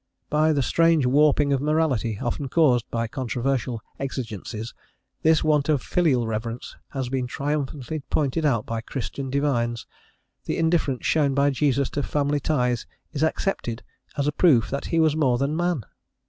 By the strange warping of morality often caused by controversial exigencies, this want of filial reverence has been triumphantly pointed out by Christian divines; the indifference shown by Jesus to family ties is accepted as a proof that he was more than man!